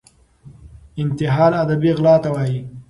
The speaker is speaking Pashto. انتحال ادبي غلا ته وايي.